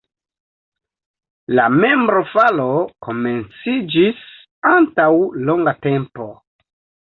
La membrofalo komenciĝis antaŭ longa tempo.